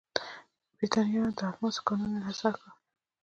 برېټانویانو د الماسو کانونه انحصار کړل.